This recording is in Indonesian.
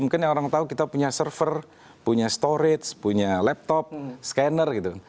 mungkin yang orang tahu kita punya server punya storage punya laptop scanner gitu